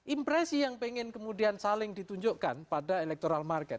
impresi yang pengen kemudian saling ditunjukkan pada electoral market